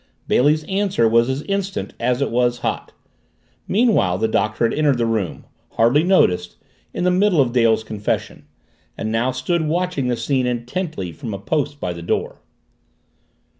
Bailey's answer was as instant as it was hot. Meanwhile, the Doctor had entered the room, hardly noticed, in the middle of Dale's confession, and now stood watching the scene intently from a post by the door.